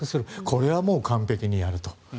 これは完璧にやると。